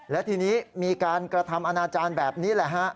และทีนี้มีการกระทำอนาจารย์แบบนี้แหละฮะ